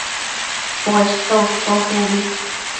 Poshto ushtosh ubi